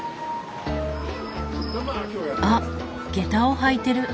あっゲタを履いてる。